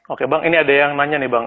oke bang ini ada yang nanya nih bang